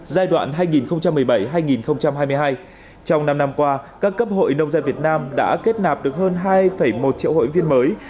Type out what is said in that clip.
giai đoạn hai nghìn một mươi bảy hai nghìn hai mươi hai trong năm năm qua các cấp hội nông dân việt nam đã kết nạp được hơn hai một triệu hội viên mới